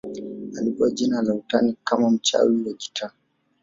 Alipewa jina la utani kama mchawi wa gitaa